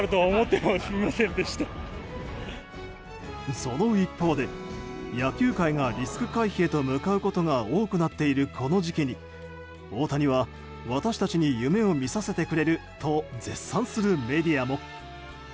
その一方で、野球界がリスク回避へと向かうことが多くなっている、この時期に大谷は私たちに夢を見させてくれると絶賛するメディアも。